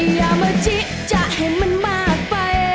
อย่ามาชิจะให้มันมากไป